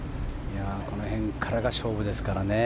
この辺からが勝負ですからね。